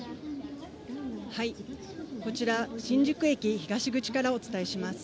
こちら、新宿駅東口からお伝えします。